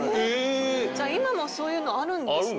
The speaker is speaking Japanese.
今もそういうのあるんですね。